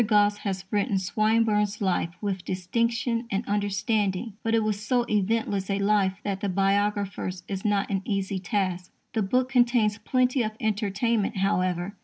Gosse has written Swinburne's life with distinction and understanding; but it was so eventless a life that the biographer's is not an easy task. The book contains plenty of entertainment, however.